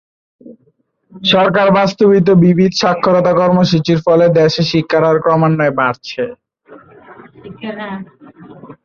সরকার বাস্তবায়িত বিবিধ সাক্ষরতা কর্মসূচীর ফলে দেশে শিক্ষার হার ক্রমান্বয়ে বাড়ছে।